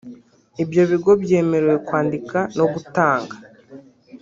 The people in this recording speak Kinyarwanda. Ibyo bigo byemerewe kwandika no gutanga